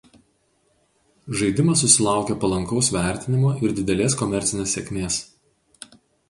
Žaidimas susilaukė palankaus vertinimo ir didelės komercinės sėkmės.